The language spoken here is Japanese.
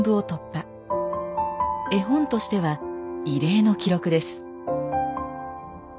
絵本としては異例の記録です。